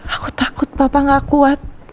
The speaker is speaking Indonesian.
aku takut papa gak kuat